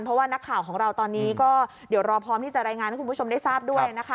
เพราะว่านักข่าวของเราตอนนี้ก็เดี๋ยวรอพร้อมที่จะรายงานให้คุณผู้ชมได้ทราบด้วยนะคะ